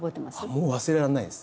もう忘れられないです。